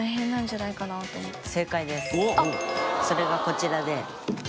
それがこちらで。